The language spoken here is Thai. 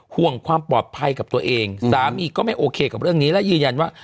ห่วงความปลอดภัยกับตัวเองสามีก็ไม่โอเคกับเรื่องนี้และยืนยันว่า